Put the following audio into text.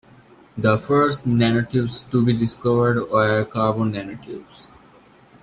The first nanotubes to be discovered were carbon nanotubes.